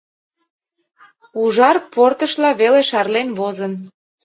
Ужар портышла веле шарлен возын.